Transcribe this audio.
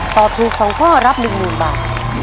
ตอบถูก๒ข้อรับ๑๐๐๐บาท